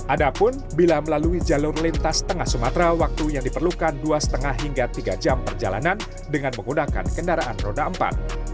adapun bila melalui jalur lintas tengah sumatera waktu yang diperlukan dua lima hingga tiga jam perjalanan dengan menggunakan kendaraan roda empat